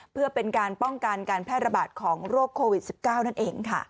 เพื่อเป็นการป้องกันการแพร่ระบาดของโรคโควิด๑๙นั่นเองค่ะ